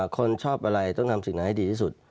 คนชอบอะไรต้องทำสิ่งไหนให้ดีที่สุด